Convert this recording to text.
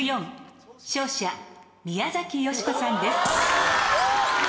勝者宮崎美子さんです。